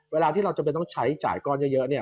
เวลาที่เราจะต้องใช้การจ่ายก่อนเยอะ